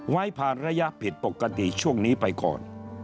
ไว้ผ่านระยะผิดปกติช่วงนี้ไปก่อน